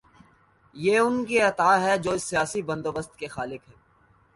یہ ان کی عطا ہے جو اس سیاسی بندوبست کے خالق ہیں۔